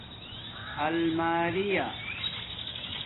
المیریݳ